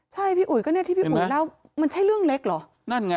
ใช่พี่อุ๋ยก็เนี่ยที่พี่อุ๋ยเล่ามันใช่เรื่องเล็กเหรอนั่นไง